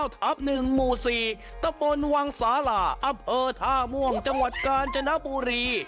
ต้มพลวังสาระอัพเพอท่าม่วงจังหวัดกาญจนับบุรี